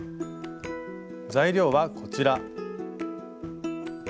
材料はこちら。